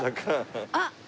あっ！